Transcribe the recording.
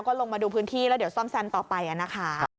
ก็ลงมาดูพื้นที่แล้วเดี๋ยวซ่อมแซมต่อไปนะคะ